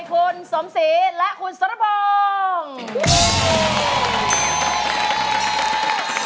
คุณสมศรีและคุณสรพงศ์